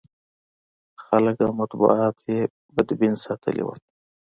خلک او مطبوعات یې بدبین ساتلي و.